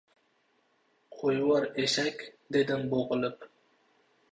— Qo‘yvor, eshak! — dedim bo‘g‘ilib.